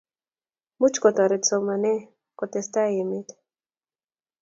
much kotoret somanee kutestaai emet